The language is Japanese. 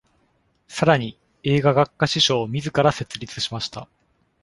さらに、映画学科支所をみずから設立しました。